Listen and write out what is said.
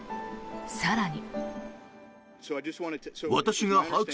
更に。